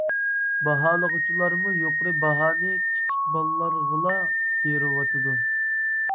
باھالىغۇچىلارمۇ يۇقىرى باھانى كىچىك بالىلارغىلا بېرىۋاتىدۇ.